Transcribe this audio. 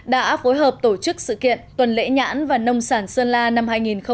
đã phối hợp tổ chức sự kiện tuần lễ nhãn và nông sản sơn la năm hai nghìn một mươi chín